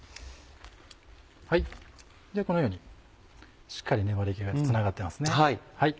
このようにしっかり粘り気が出てつながってますね。